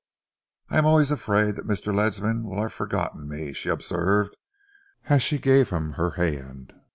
"I am always afraid that Mr. Ledsam will have forgotten me," she observed, as she gave him her hand.